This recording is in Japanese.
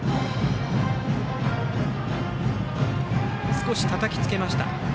少したたきつけました。